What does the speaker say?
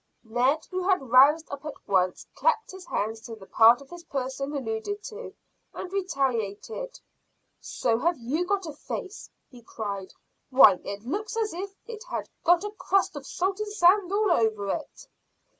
Ned, who had roused up at once, clapped his hands to the part of his person alluded to, and retaliated. "So have you got a face," he cried. "Why, it looks as if it had got a crust of salt and sand all over it."